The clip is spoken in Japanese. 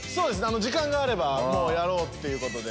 時間があればやろうっていうことで。